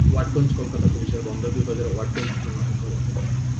ওয়াটগঞ্জ কলকাতা পুলিশের বন্দর বিভাগের ওয়াটগঞ্জ থানার অন্তর্গত।